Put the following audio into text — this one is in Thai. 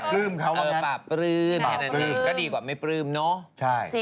แต่แบบว่าปลาปลื้มก็ดีกว่าไม่ปลื้มเนาะ